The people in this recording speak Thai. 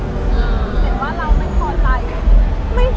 หมายถึงว่าเราไม่พอใจ